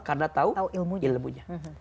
karena tau ilmunya